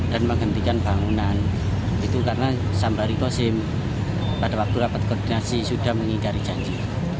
dan menghentikan bangunan itu karena sambari kosim pada waktu rapat koordinasi sudah mengingatkan janji